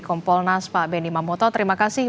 kompolnas pak benny mamoto terima kasih